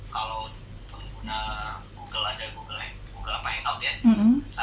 kalau pengguna google ada google hangout ya